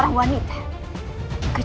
di tiap pejabat